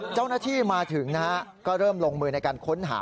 เจ้าหน้าที่มาถึงนะฮะก็เริ่มลงมือในการค้นหา